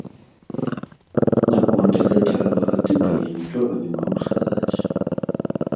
Наконт гэтага лагатыпа я нічога не магу сказаць.